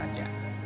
itu pun ya